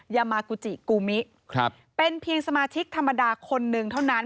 ยากมากูจิกูมิเป็นเพียงสมาชิกธรรมดาคนนึงเท่านั้น